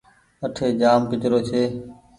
اٺي جآم ڪچرو ڇي۔